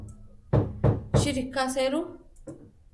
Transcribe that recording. Chi ríka serú?